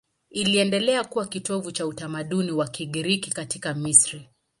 Iliendelea kuwa kitovu cha utamaduni wa Kigiriki katika Misri.